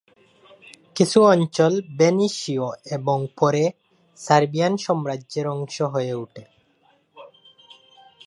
কিছু অঞ্চল ভেনিসীয় এবং পরে সার্বিয়ান সাম্রাজ্যের অংশ হয়ে ওঠে।